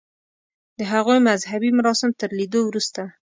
د هغوی مذهبي مراسم تر لیدو وروسته.